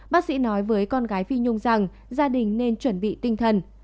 bác sĩ nói với con gái phi nhung rằng gia đình nên chuẩn bị tinh thần